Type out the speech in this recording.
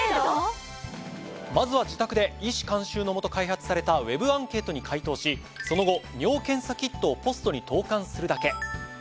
まずは自宅で医師監修のもと開発されたＷＥＢアンケートに回答しその後尿検査キットをポストに投函するだけ。